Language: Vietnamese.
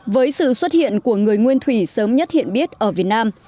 với sự xuất hiện của người nguyên thủy sớm nhất hiện biết ở việt nam